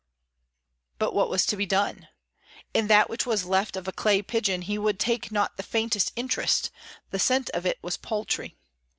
But what was to be done? In that which was left of a clay pigeon he would take not the faintest interest—the scent of it was paltry.